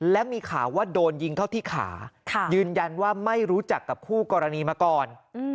และมีข่าวว่าโดนยิงเข้าที่ขายืนยันว่าไม่รู้จักกับคู่กรณีมาก่อน